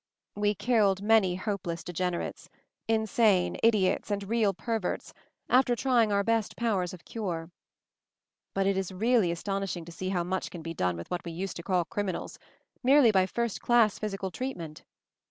"We killed many hopeless degenerates, in ' sane, idiots, and real perverts, after trying our hest powers of cure. But it is really astonishing to see how much can be done with what we used to call criminals, merely by first class physical treatment.